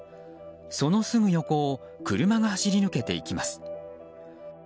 そのすぐ横を車が走り抜けていきます。